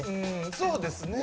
そうですね。